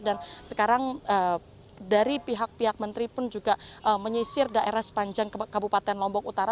dan sekarang dari pihak pihak menteri pun juga menyisir daerah sepanjang kabupaten lombok utara